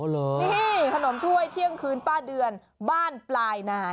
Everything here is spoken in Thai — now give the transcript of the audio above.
นี่ขนมถ้วยเที่ยงคืนป้าเดือนบ้านปลายนา